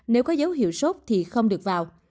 nếu có dấu hiệu sốt thì không được vào